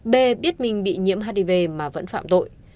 b biết mình bị nhiễm hiv mà vẫn phạm tội